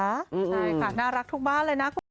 ใช่ค่ะน่ารักทุกบ้านเลยนะ